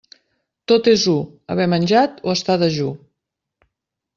Tot és u, haver menjat o estar dejú.